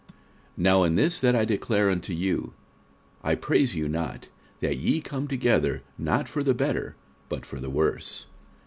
46:011:017 Now in this that I declare unto you I praise you not, that ye come together not for the better, but for the worse.